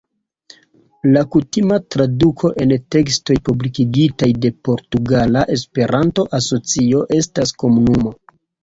La kutima traduko en tekstoj publikigitaj de Portugala Esperanto-Asocio estas "komunumo".